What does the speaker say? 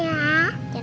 yang musim walls